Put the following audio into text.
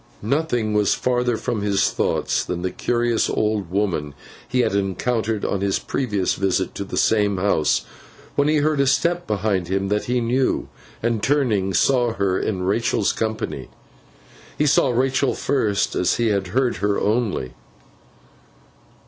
Nothing was further from his thoughts than the curious old woman he had encountered on his previous visit to the same house, when he heard a step behind him that he knew, and turning, saw her in Rachael's company. He saw Rachael first, as he had heard her only.